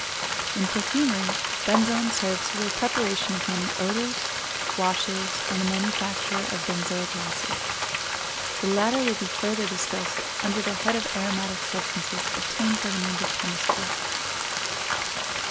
In perfumery, benzoin serves for the preparation of many odors, washes, and the manufacture of benzoic acid. The latter will be further discussed under the head of aromatic substances obtained by means of chemistry.